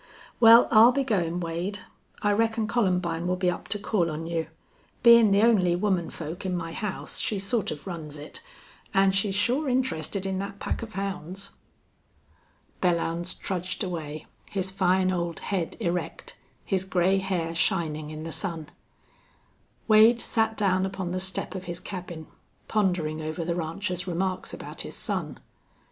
Wal, I'll be goin', Wade. I reckon Columbine will be up to call on you. Bein' the only woman folk in my house, she sort of runs it. An' she's sure interested in thet pack of hounds." Belllounds trudged away, his fine old head erect, his gray hair shining in the sun. Wade sat down upon the step of his cabin, pondering over the rancher's remarks about his son.